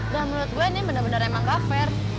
dan menurut gue ini bener bener emang gak fair